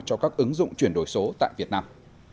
cho các ứng dụng chuyển đổi số tại việt nam